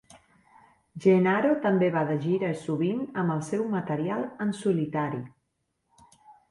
Genaro també va de gira sovint amb el seu material en solitari.